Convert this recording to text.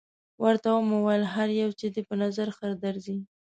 ورته ومې ویل: هر یو چې دې په نظر ښه درځي.